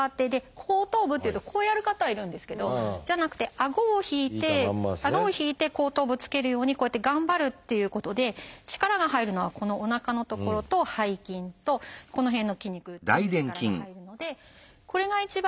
後頭部っていうとこうやる方がいるんですけどじゃなくて顎を引いて顎を引いて後頭部つけるようにこうやって頑張るっていうことで力が入るのはこのおなかの所と背筋とこの辺の筋肉全部力が入るのでこれが一番